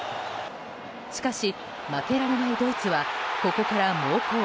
しかし、負けられないドイツはここから猛攻。